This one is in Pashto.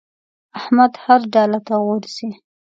احمد هر ډاله ته غورځي.